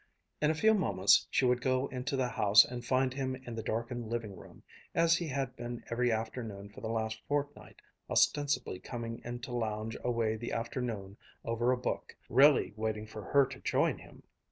In a few moments she would go into the house and find him in the darkened living room, as he had been every afternoon for the last fortnight, ostensibly come in to lounge away the afternoon over a book, really waiting for her to join him.